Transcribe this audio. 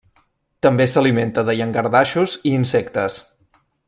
També s'alimenta de llangardaixos i insectes.